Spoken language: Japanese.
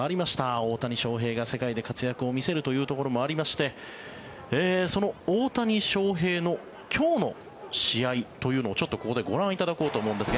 大谷翔平が世界で活躍を見せるというところもありましてその大谷翔平の今日の試合というのをちょっとここでご覧いただこうと思うんですが。